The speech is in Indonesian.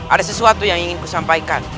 ada sesuatu yang ingin kusampaikan